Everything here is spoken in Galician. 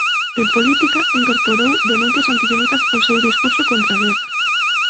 En política incorporou denuncias antisemitas o seu discurso contra a guerra.